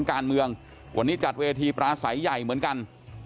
การเมืองวันนี้จัดเวทีปราศัยใหญ่เหมือนกัน